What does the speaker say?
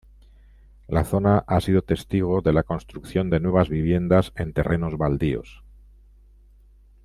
La zona ha sido testigo de la construcción de nuevas viviendas en terrenos baldíos.